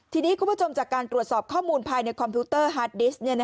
ทีนี้คุณผู้ชมจากการตรวจสอบข้อมูลภายในคอมพิวเตอร์ฮาร์ดดิสต์